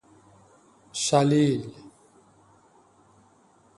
شلیل